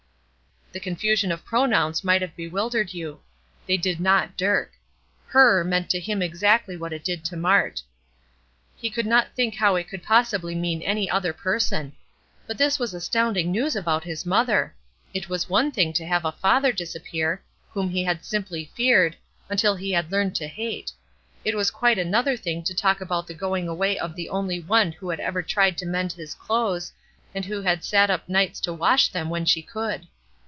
The confusion of pronouns might have bewildered you. They did not Dirk. "Her" meant to him exactly what it did to Mart. He could not think how it could possibly mean any other person. But this was astounding news about his mother! It was one thing to have a father disappear, whom he had simply feared, until he had learned to hate; it was quite another thing to talk about the going away of the only one who had ever tried to mend his clothes, and who had sat up nights to wash them when she could.